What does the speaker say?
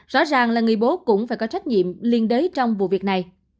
rõ ràng là người bố cũng phải có trách nhiệm liên đới trong vụ việc này